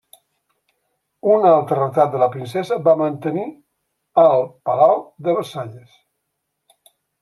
Un altre retrat de la princesa va mantenir al Palau de Versalles.